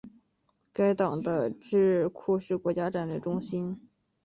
该党的智库是国家战略中心。